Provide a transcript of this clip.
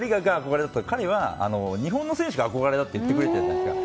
彼は日本の選手が憧れだと言ってくれているんですね。